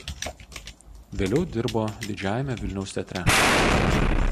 Vėliau dirbo Didžiajame Vilniaus teatre.